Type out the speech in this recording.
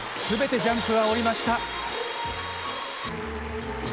全てジャンプは降りました。